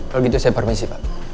kalau gitu saya permisi pak